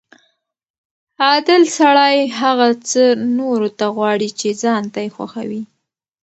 عادل سړی هغه څه نورو ته غواړي چې ځان ته یې خوښوي.